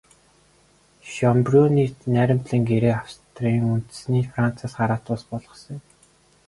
Шёнбрунны найрамдлын гэрээ Австрийг үндсэндээ Францаас хараат улс болгосон юм.